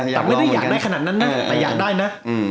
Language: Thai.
แต่ไม่ได้อยากได้ขนาดนั้นนะแต่อยากได้นะ